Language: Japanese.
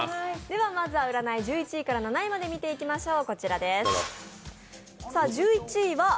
まずは占い１１位から７位を見ていきましょう。